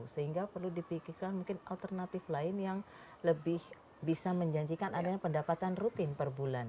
sehingga perlu dipikirkan mungkin alternatif lain yang lebih bisa menjanjikan adanya pendapatan rutin per bulan